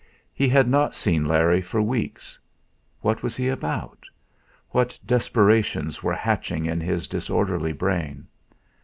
He had not seen Larry for weeks. What was he about? What desperations were hatching in his disorderly brain?